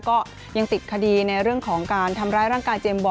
ก็ยังติดคดีในเรื่องของการทำร้ายร่างกายเจมส์บอล